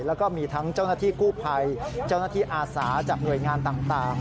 แล้วก็มีทั้งเจ้าหน้าที่กู้ภัยเจ้าหน้าที่อาสาจากหน่วยงานต่าง